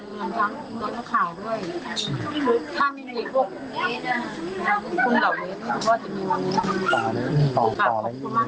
ทั้งคุณน้องข้าวด้วยถ้าไม่มีพวกคุณเหล่านี้ทุกคนจะมีวันนี้ต่อแล้ว